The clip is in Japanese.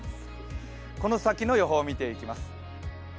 この先の予報を見ていきます。